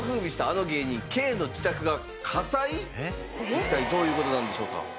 一体どういう事なんでしょうか？